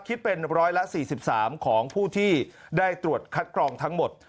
คิดเป็นร้อยละ๔๓ของผู้ที่ได้ตรวจคัดกรองทั้งหมด